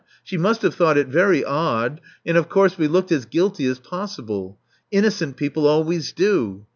She must have thought it very odd; and, of course, we looked as guilty as possible. Innocent people always do.